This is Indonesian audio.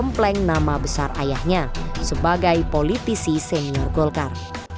ampleng nama besar ayahnya sebagai politisi senior golkar